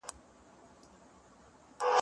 سپينکۍ مينځه؟!